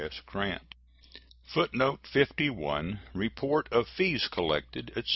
S. GRANT. [Footnote 51: Report of fees collected, etc.